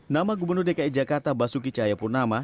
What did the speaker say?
nama gubernur dki jakarta basuki cahayapurnama